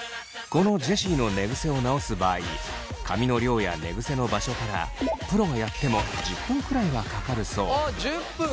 このジェシーの寝ぐせを直す場合髪の量や寝ぐせの場所からプロがやっても１０分くらいはかかるそう。